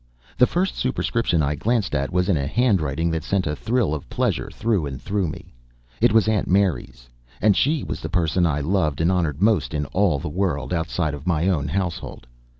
The first superscription I glanced at was in a handwriting that sent a thrill of pleasure through and through me. It was Aunt Mary's; and she was the person I loved and honored most in all the world, outside of my own household.